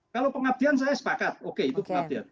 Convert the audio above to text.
kalau pengabdian saya sepakat oke itu pengabdian